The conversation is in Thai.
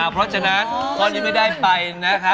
เพราะฉะนั้นคนยืนไม่ได้ไปนะครับ